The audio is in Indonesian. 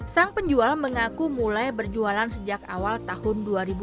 sang penjual mengaku mulai berjualan sejak awal tahun dua ribu dua puluh